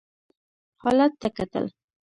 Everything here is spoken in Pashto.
حالت ته کتل.